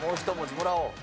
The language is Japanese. もらおう。